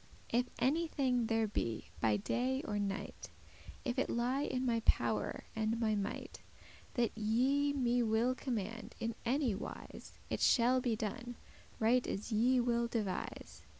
If any thing there be, by day or night, If it lie in my power and my might, That ye me will command in any wise, It shall be done, right as ye will devise.